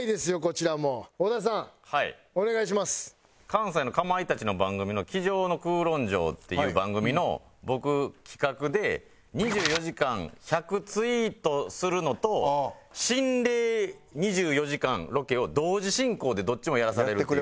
関西のかまいたちの番組の『机上の空論城』っていう番組の僕企画で２４時間１００ツイートするのと心霊２４時間ロケを同時進行でどっちもやらされるっていう。